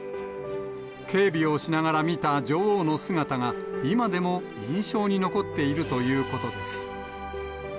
警備をしながら見た女王の姿が、今でも印象に残っているということです。